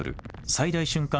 最大瞬間